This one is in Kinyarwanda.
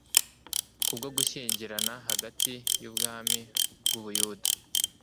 Kubwo gushyingirana hagati yubwami bwUbuyuda